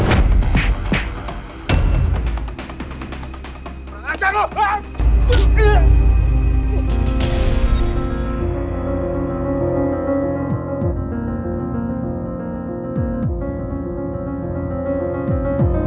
itukah ya adeknya nih